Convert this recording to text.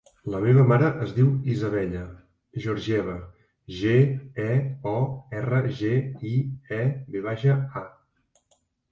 La meva mare es diu Isabella Georgieva: ge, e, o, erra, ge, i, e, ve baixa, a.